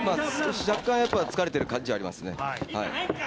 若干疲れている感じはありますね。